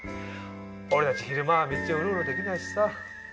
俺たち昼間は道をうろうろできないしさ。